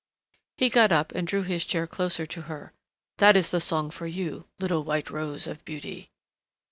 '" He got up and drew his chair closer to her. "That is the song for you, little white rose of beauty."